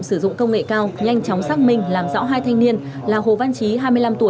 sử dụng công nghệ cao nhanh chóng xác minh làm rõ hai thanh niên là hồ văn trí hai mươi năm tuổi